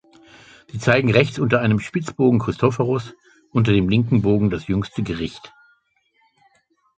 Sie zeigen rechts unter einem Spitzbogen Christophorus, unter dem linken Bogen das Jüngste Gericht.